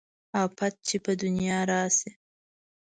افت چې په دنيا راشي